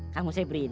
kamu saya beri ini